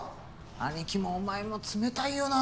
兄貴もお前も冷たいよな。